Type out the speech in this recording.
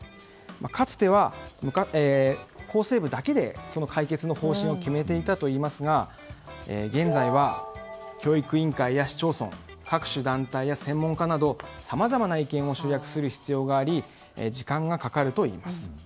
かつては厚生部だけで解決の方針を決めていたといいますが現在は教育委員会や市町村各種団体や専門家などさまざまな意見を集約する必要があり時間がかかるといいます。